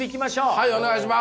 はいお願いします！